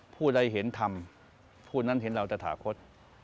ผู้ใดเห็นธรรมผู้นั้นเห็นเราตะถาคต